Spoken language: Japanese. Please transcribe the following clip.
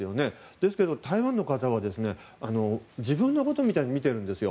ですけど台湾の方は自分のことみたいに見ているんですよ。